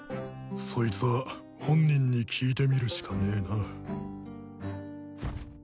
そいつは本人に聞いてみるしかねえな。